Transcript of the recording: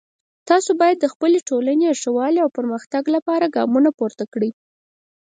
تاسو باید د خپلې ټولنې د ښه والی او پرمختګ لپاره ګامونه پورته کړئ